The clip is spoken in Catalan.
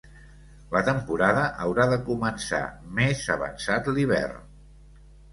La temporada haurà de començar més avançat l'hivern.